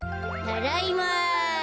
ただいま。